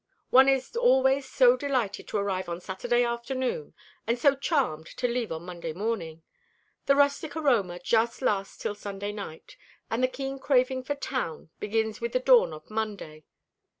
"One is always so delighted to arrive on Saturday afternoon, and so charmed to leave on Monday morning. The rustic aroma just lasts till Sunday night, and the keen craving for town begins with the dawn of Monday.